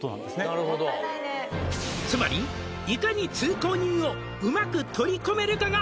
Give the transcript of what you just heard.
なるほど「つまりいかに通行人をうまく取り込めるかが」